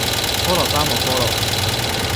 菠蘿包冇菠蘿